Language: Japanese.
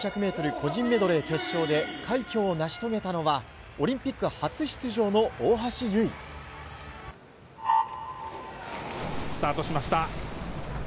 個人メドレー決勝で、快挙を成し遂げたのは、オリンピック初出場の大橋悠スタートしました。